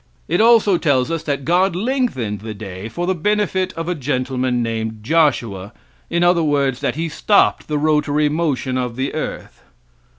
It also tells us that God lengthened the day for the benefit of a gentleman named Joshua, in other words, that he stopped the rotary motion of the earth.